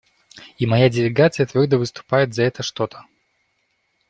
И моя делегация твердо выступает за это что-то.